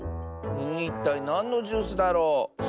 いったいなんのジュースだろう？